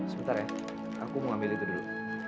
sebentar ya aku mau ambil itu dulu